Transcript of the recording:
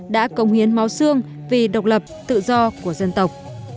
đã công hiến máu xương vì độc lập tự do của dân tộc